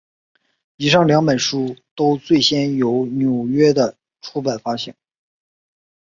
以上两本书都最先由纽约的出版发行。